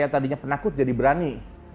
yang tadinya penakut jadi berani